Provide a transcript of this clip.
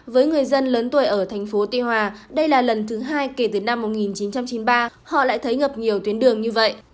với người dân lớn tuổi ở thành phố tuy hòa đây là lần thứ hai kể từ năm một nghìn chín trăm chín mươi ba họ lại thấy ngập nhiều tuyến đường như vậy